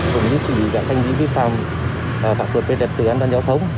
cùng với xử lý các thanh niên vi phạm và thuật biệt đặt tự an toàn giao thông